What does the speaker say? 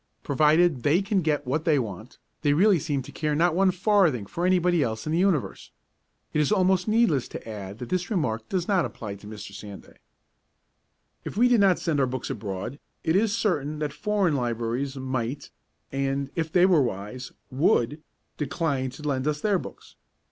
Provided they can get what they want, they really seem to care not one farthing for anybody else in the universe. It is almost needless to add that this remark does not apply to Mr. Sanday. If we did not send our books abroad, it is certain that foreign libraries might, and, if they were wise, would, decline to lend us their books.